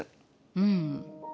うん。